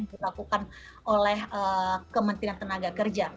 yang dilakukan oleh kementerian tenaga kerja